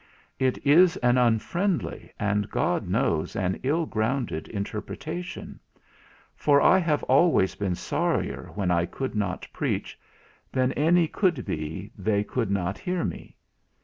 It is an unfriendly, and, God knows, an ill grounded interpretation; for I have always been sorrier when I could not preach, than any could be they could not hear me.